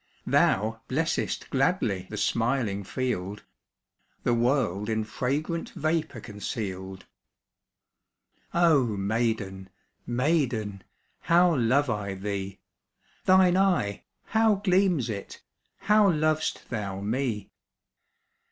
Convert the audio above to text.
Thou blessest gladly The smiling field, The world in fragrant Vapour conceal'd. Oh maiden, maiden, How love I thee! Thine eye, how gleams it! How lov'st thou me!